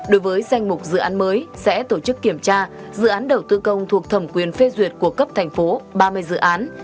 đối với danh mục dự án mới sẽ tổ chức kiểm tra dự án đầu tư công thuộc thẩm quyền phê duyệt của cấp thành phố ba mươi dự án